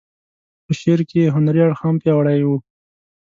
په شعر کې یې هنري اړخ هم پیاوړی و.